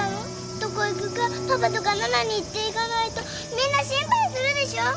どこ行くかパパとか奈々に言っていかないとみんな心配するでしょ？